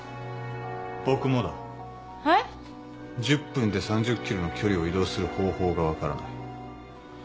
１０分で３０キロの距離を移動する方法が分からない。